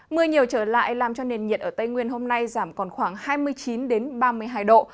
mưa nhiều trở lại làm cho nền nhiệt ở tây nguyên hôm nay giảm còn khoảng hai mươi chín ba mươi hai độ